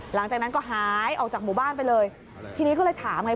หลังจากนั้นก็หายออกจากหมู่บ้านไปเลยทีนี้ก็เลยถามไง